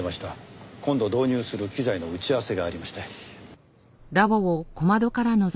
今度導入する機材の打ち合わせがありまして。